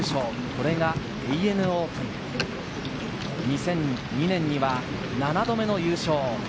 これがＡＮＡオープン、２００２年には７度目の優勝。